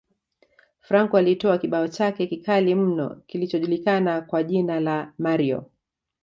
Franco alitoa kibao chake kikali mno kilichojulikana kwa jina la Mario